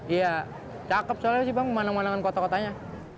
iya cakep soalnya sih bang pemandangan pemandangan kota kotanya